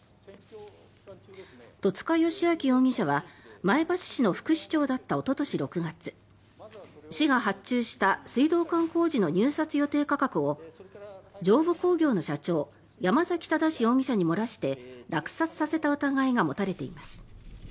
戸塚良明容疑者は前橋市の副市長だったおととし６月市が発注した水道管工事の入札予定価格を上武工業の社長山崎正容疑者に漏らして落札させた疑いが持たれています。